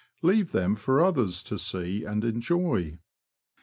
Leave them for others to see and enjoy.